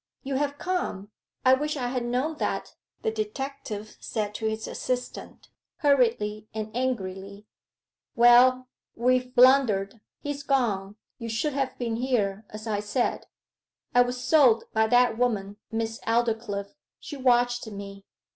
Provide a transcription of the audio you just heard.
'You have come I wish I had known that,' the detective said to his assistant, hurriedly and angrily. 'Well, we've blundered he's gone you should have been here, as I said! I was sold by that woman, Miss Aldclyffe she watched me.